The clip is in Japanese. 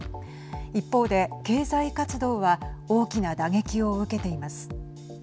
一方で経済活動は大きな打撃を受けています。